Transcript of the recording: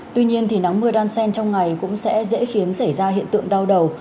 tuy nhiên thì nắng mưa đan sen trong ngày cũng sẽ dễ khiến xảy ra hiện tượng đau đầu